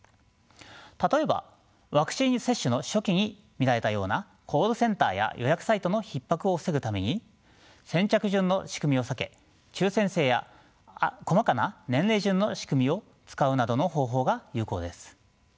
例えばワクチン接種の初期に見られたようなコールセンターや予約サイトのひっ迫を防ぐために先着順の仕組みを避け抽選制や細かな年齢順の仕組みを使うなどの方法が有効です。